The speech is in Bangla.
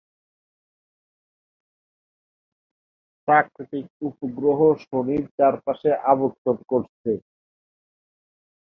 প্রাকৃতিক উপগ্রহ শনির চারপাশে আবর্তন করছে।